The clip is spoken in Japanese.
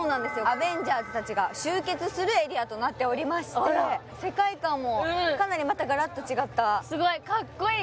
アベンジャーズたちが集結するエリアとなっておりまして世界観もかなりまたガラッと違ったすごいかっこいい！